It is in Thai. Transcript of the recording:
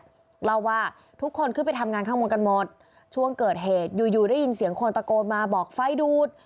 เล่าว่าทุกคนขึ้นไปทำงานข้างบนกันหมดช่วงเกิดเหตุอยู่อยู่ได้ยินเสียงคนตะโกนมาบอกไฟดูด